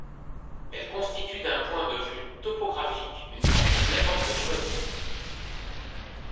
Elle constitue d'un point de vue topographique une partie de la porte de Choisy.